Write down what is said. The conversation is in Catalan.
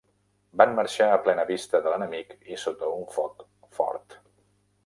Van marxar a plena vista de l'enemic i sota un foc fort.